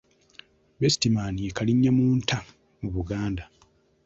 Besitiimaani y’ekalinnyamunta mu Buganda.